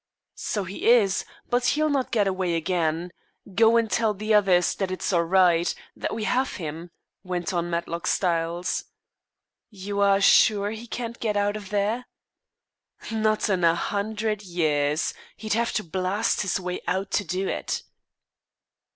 "So he is but he'll not get away again. Go and tell the others that it is all right that we have him," went on Matlock Styles. "You are sure he can't get out of there?" "Not in a hundred years! He'd have to blast his way out to do it."